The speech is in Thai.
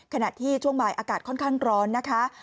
ขณะที่ช่วงบ่ายอากาศค่อนข้างร้อนนะคะ